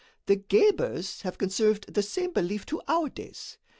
The Guebers have conserved the same belief to our days.